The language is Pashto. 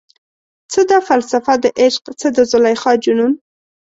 څه ده فلسفه دعشق، څه د زلیخا جنون؟